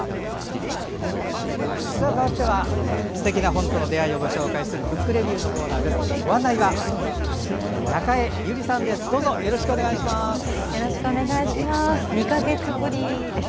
かわってすてきな本との出会いをご紹介する「ブックレビュー」のコーナーです。